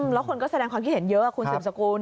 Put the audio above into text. แล้วคนก็แสดงความคิดเห็นเยอะคุณสืบสกุล